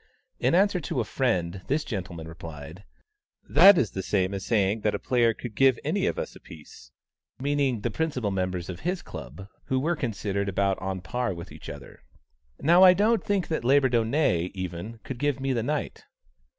In answer to a friend, this gentleman replied, "That is the same as saying that a player could give any of us a piece," (meaning the principal members of his club, who were considered about on a par with each other.) "Now, I don't think that Labourdonnais, even, could give me the knight."